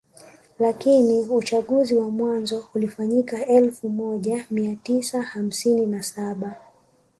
Lakini uchaguzi wa mwanzo ulifanyika elfu moja mia tisa hamsini na saba